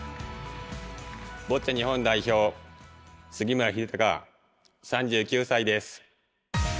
ボッチャ日本代表杉村英孝、３９歳です。